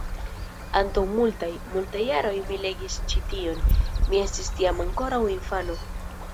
Antaŭ multaj, multaj jaroj mi legis ĉi tion, mi estis tiam ankoraŭ infano.